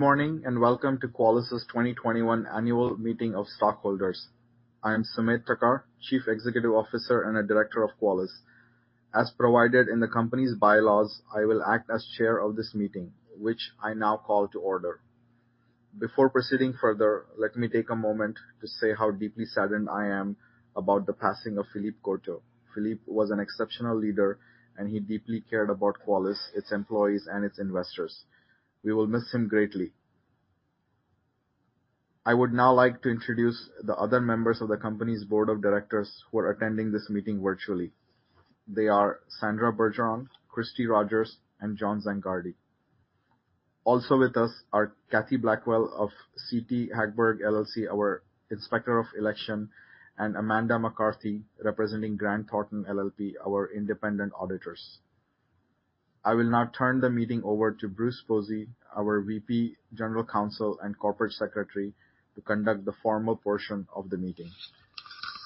Morning, and Welcome to Qualys' 2021 Annual Meeting of Stockholders. I am Sumedh Thakar, Chief Executive Officer and a Director of Qualys. As provided in the company's bylaws, I will act as chair of this meeting, which I now call to order. Before proceeding further, let me take a moment to say how deeply saddened I am about the passing of Philippe Courtot. Philippe was an exceptional leader, and he deeply cared about Qualys, its employees, and its investors. We will miss him greatly. I would now like to introduce the other members of the company's board of directors who are attending this meeting virtually. They are Sandra Bergeron, Kristi Rogers, and John Zangardi. Also with us are Kathy Blackwell of CT Hagberg LLC, our Inspector of Election, and Amanda McCarty, representing Grant Thornton LLP, our independent auditors. I will now turn the meeting over to Bruce Posey, our VP, General Counsel, and Corporate Secretary, to conduct the formal portion of the meeting.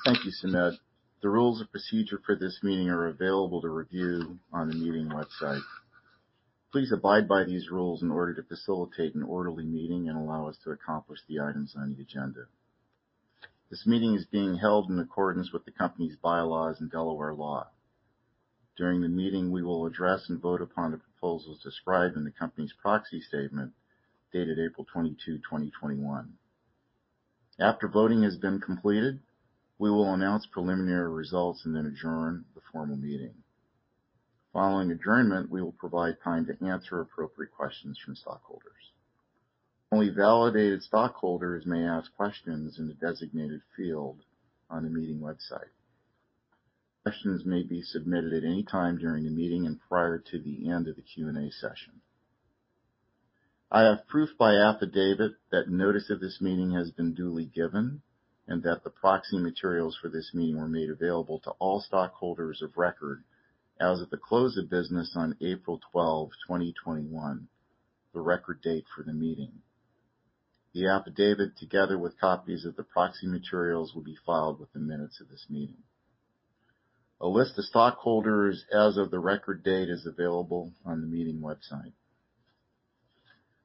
Thank you, Sumedh. The rules of procedure for this meeting are available to review on the meeting website. Please abide by these rules in order to facilitate an orderly meeting and allow us to accomplish the items on the agenda. This meeting is being held in accordance with the company's bylaws and Delaware law. During the meeting, we will address and vote upon the proposals described in the company's proxy statement, dated April 22, 2021. After voting has been completed, we will announce preliminary results and then adjourn the formal meeting. Following adjournment, we will provide time to answer appropriate questions from stockholders. Only validated stockholders may ask questions in the designated field on the meeting website. Questions may be submitted at any time during the meeting and prior to the end of the Q&A session. I have proof by affidavit that notice of this meeting has been duly given and that the proxy materials for this meeting were made available to all stockholders of record as of the close of business on April 12, 2021, the record date for the meeting. The affidavit, together with copies of the proxy materials, will be filed with the minutes of this meeting. A list of stockholders as of the record date is available on the meeting website.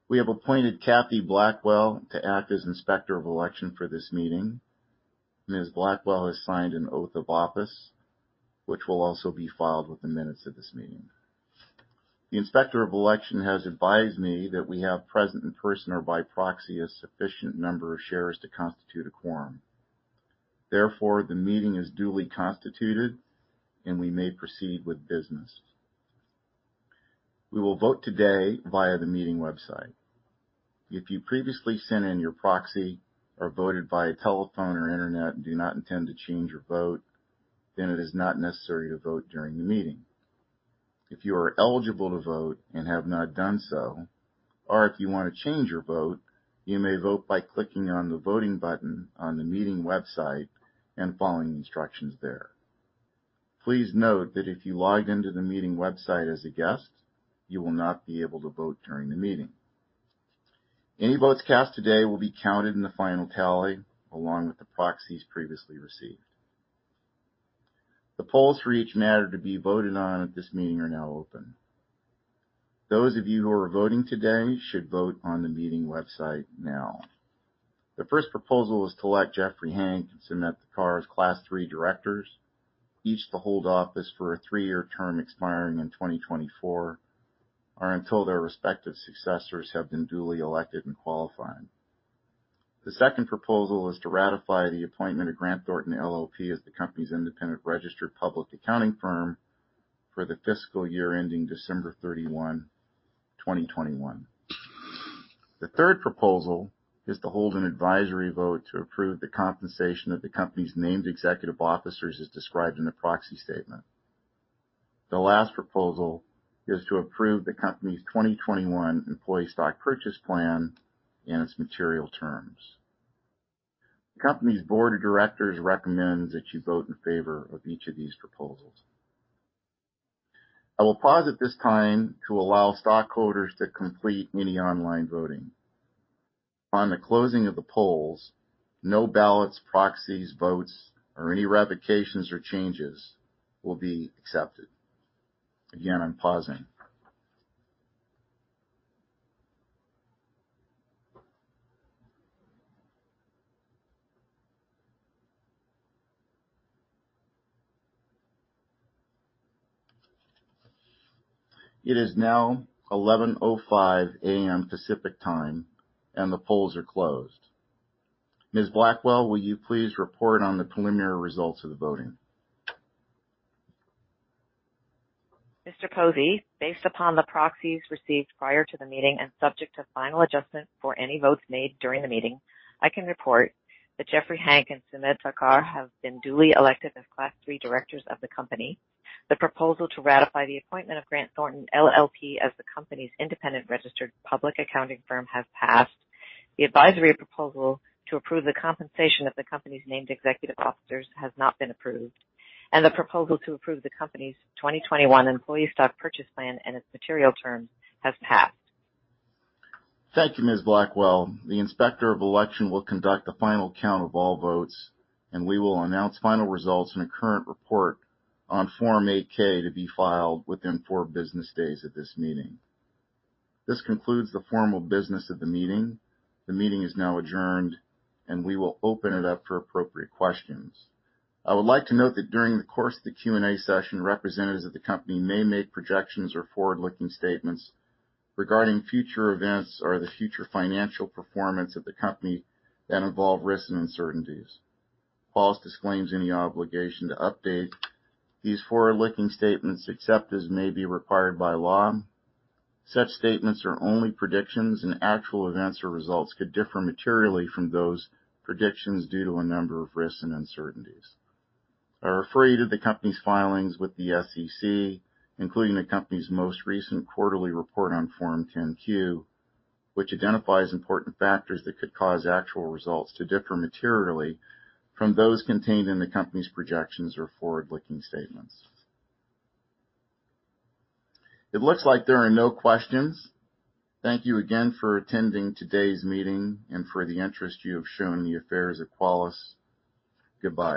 We have appointed Kathy Blackwell to act as Inspector of Election for this meeting. Ms. Blackwell has signed an oath of office, which will also be filed with the minutes of this meeting. The Inspector of Election has advised me that we have present in person or by proxy a sufficient number of shares to constitute a quorum. Therefore, the meeting is duly constituted, and we may proceed with business. We will vote today via the meeting website. If you previously sent in your proxy or voted via telephone or internet and do not intend to change your vote, then it is not necessary to vote during the meeting. If you are eligible to vote and have not done so, or if you want to change your vote, you may vote by clicking on the voting button on the meeting website and following the instructions there. Please note that if you log in to the meeting website as a guest, you will not be able to vote during the meeting. Any votes cast today will be counted in the final tally along with the proxies previously received. The polls for each matter to be voted on at this meeting are now open. Those of you who are voting today should vote on the meeting website now. The first proposal is to elect Jeffrey P. Hank and Sumedh Thakar as Class III Directors, each to hold office for a three-year term expiring in 2024, or until their respective successors have been duly elected and qualified. The second proposal is to ratify the appointment of Grant Thornton LLP as the company's independent registered public accounting firm for the fiscal year ending December 31, 2021. The third proposal is to hold an advisory vote to approve the compensation of the company's named executive officers as described in the proxy statement. The last proposal is to approve the company's 2021 employee stock purchase plan and its material terms. The company's board of directors recommends that you vote in favor of each of these proposals. I will pause at this time to allow stockholders to complete any online voting. Upon the closing of the polls, no ballots, proxies, votes, or any revocations or changes will be accepted. I'm pausing. It is now 11:05 A.M. Pacific Time and the polls are closed. Ms. Blackwell, will you please report on the preliminary results of the voting? Mr. Posey, based upon the proxies received prior to the meeting and subject to final adjustment for any votes made during the meeting, I can report that Jeffrey P. Hank and Sumedh Thakar have been duly elected as Class III directors of the company. The proposal to ratify the appointment of Grant Thornton LLP as the company's independent registered public accounting firm has passed. The advisory proposal to approve the compensation of the company's named executive officers has not been approved. The proposal to approve the company's 2021 employee stock purchase plan and its material terms has passed. Thank you, Ms. Blackwell. The Inspector of Election will conduct a final count of all votes, and we will announce final results in a current report on Form 8-K to be filed within four business days of this meeting. This concludes the formal business of the meeting. The meeting is now adjourned, and we will open it up for appropriate questions. I would like to note that during the course of the Q&A session, representatives of the company may make projections or forward-looking statements regarding future events or the future financial performance of the company that involve risks and uncertainties. Qualys disclaims any obligation to update these forward-looking statements except as may be required by law. Such statements are only predictions, and actual events or results could differ materially from those predictions due to a number of risks and uncertainties. I refer you to the company's filings with the SEC, including the company's most recent quarterly report on Form 10-Q, which identifies important factors that could cause actual results to differ materially from those contained in the company's projections or forward-looking statements. It looks like there are no questions. Thank you again for attending today's meeting and for the interest you have shown in the affairs of Qualys. Goodbye